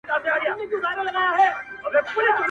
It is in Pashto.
وه ه ژوند به يې تياره نه وي~